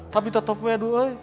tapi tetep weh aduh